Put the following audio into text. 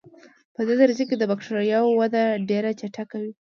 پدې درجه کې د بکټریاوو وده ډېره چټکه وي.